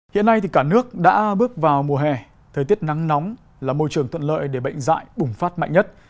hiện nay thì cả nước đã bước vào mùa hè thời tiết nắng nóng là môi trường thuận lợi để bệnh dạy bùng phát mạnh nhất